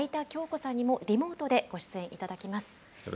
享子さんにもリモートでご出演いただきます。